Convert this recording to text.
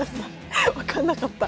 分かんなかった。